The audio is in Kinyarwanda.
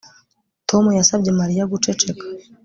Tom yasabye Mariya guceceka